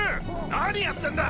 何やってんだ！